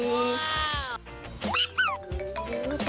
อ้าว